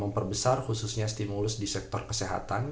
memperbesar khususnya stimulus di sektor kesehatan